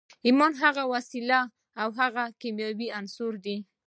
ايمان هغه وسيله او هغه کيمياوي عنصر دی.